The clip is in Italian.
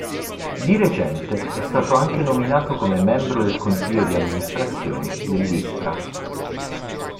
Di recente è stato anche nominato come membro del consiglio di amministrazione dell'Ispra.